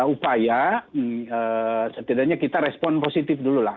upaya setidaknya kita respon positif dulu lah